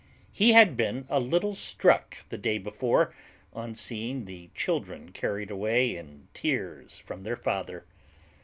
He had been a little struck the day before on seeing the children carried away in tears from their father.